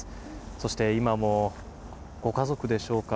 そして今もご家族でしょうか。